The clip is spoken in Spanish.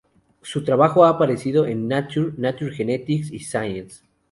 Su trabajo ha aparecido en "Nature", "Nature Genetics", y "Science".